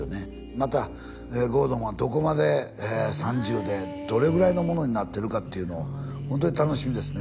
また郷敦はどこまで３０でどれぐらいのものになってるかっていうのホントに楽しみですね